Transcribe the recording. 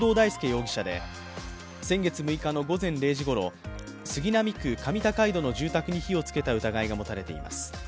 容疑者で先月６日の午前０時ごろ、杉並区上高井戸の住宅に火を付けた疑いが持たれています。